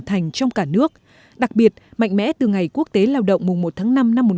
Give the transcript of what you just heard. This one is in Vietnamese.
thành trong cả nước đặc biệt mạnh mẽ từ ngày quốc tế lao động mùng một tháng năm năm một nghìn chín trăm bốn mươi